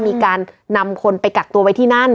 มีการนำคนไปกักตัวไว้ที่นั่น